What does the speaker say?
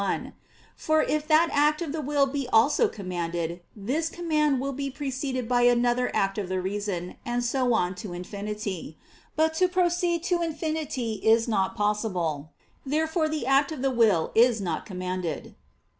1); for if that act of the will be also commanded, this command will be preceded by another act of the reason, and so on to infinity. But to proceed to infinity is not possible. Therefore the act of the will is not commanded.